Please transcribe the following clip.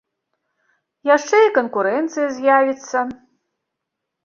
Яшчэ і канкурэнцыя з'явіцца.